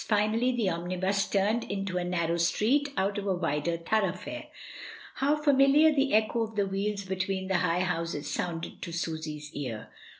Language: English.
Finally, the omnibus turned into a narrow street out of a wider thoroughfare. How familiar the echo of the wheels between the high houses sounded to Sus/s ear!